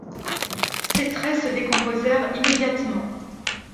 Ses traits se décomposèrent immédiatement.